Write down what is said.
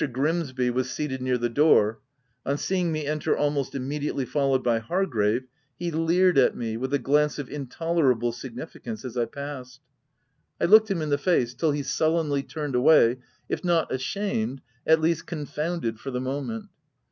Grimsby was seated near the door : on seeing me enter al most immediately followed by Hargrave, he leered at me, with a glance of intolerable sig nificance, as I passed. I looked him in the face, till he sullenly turned away, if not ashamed, at least confounded for the moment.